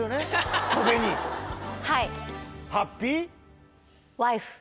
はい。